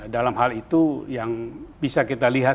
dalam hal itu yang bisa kita lihat